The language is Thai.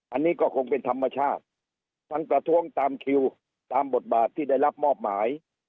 อันนี้ก็คงเป็นธรรมชาติทั้งประท้วงตามคิวตามบทบาทที่ได้รับมอบหมาย